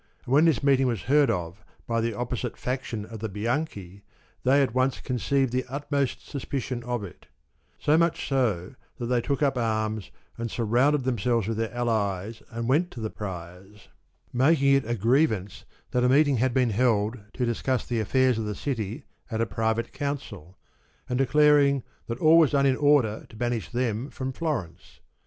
And when this meeting was heard of by the oppo site faction of the Bianchi, they at once conceived the utmost suspicion of it ; so much so that they took up arms and surrounded themselves with their allies and went to the Priors, making it a grievance that a meeting 123 had been held to discuss the affairs of the city at a private council, and declaring that all was done in order to banish them from Florence.